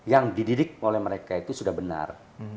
yang dididik oleh mereka itu sudah benar